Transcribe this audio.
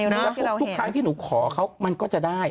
ว่าใครที่หนูขอเขามันก็จะได้